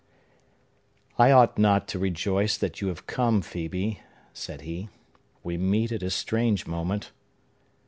"I ought not to rejoice that you have come, Phœbe," said he. "We meet at a strange moment!"